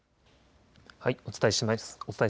お伝えします。